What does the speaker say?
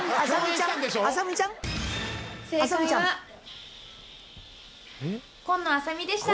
正解は紺野あさ美でした！